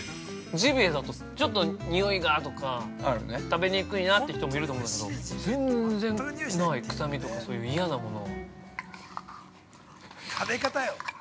ジビエだと、ちょっとにおいがとか、食べにくいなという人もいると思うんだけど、全然ない、臭みとか、嫌なもの。